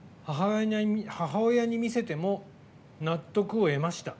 母親に見せても納得をえました。